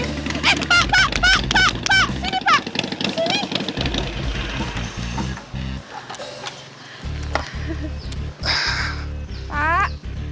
eh pak pak pak pak